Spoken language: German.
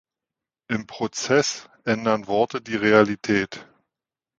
Im Prozess ändern Worte die Realität.